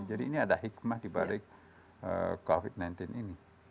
jadi ini ada hikmah dibalik covid sembilan belas ini